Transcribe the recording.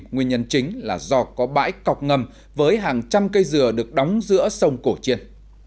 nguyên nhân chính là do có bãi cọc ngầm với hàng trăm cây dừa được đóng giữa sông cổ chiên